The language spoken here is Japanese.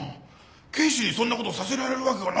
警視にそんな事させられるわけがないだろう！